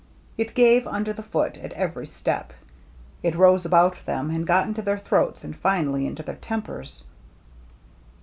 It gave under the foot at every step ; it rose about them and got into their throats and finally into their tempers.